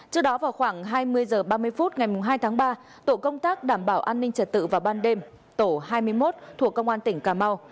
trước đó vào khoảng hai mươi h ba mươi phút ngày hai tháng ba tổ công tác đảm bảo an ninh trật tự vào ban đêm tổ hai mươi một thuộc công an tỉnh cà mau